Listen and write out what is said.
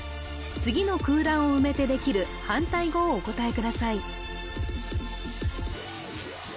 次の空欄を埋めてできる反対語をお答えください